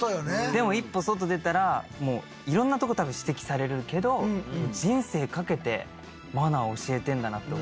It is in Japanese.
でも一歩外出たら色んなところ多分指摘されるけど人生かけてマナーを教えてるんだなって思うと。